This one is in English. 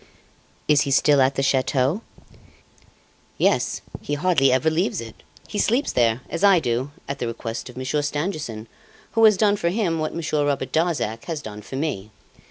"Is he still at the chateau?" "Yes; he hardly ever leaves it! He sleeps there, as I do, at the request of Monsieur Stangerson, who has done for him what Monsieur Robert Darzac has done for me.